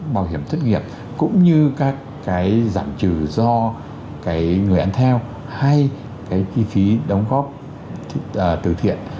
bảo hiểm thất nghiệp cũng như các giảm trừ do người ăn theo hay chi phí đóng góp từ thiện